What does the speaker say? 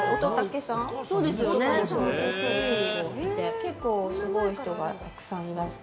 結構すごい人がたくさんいらして。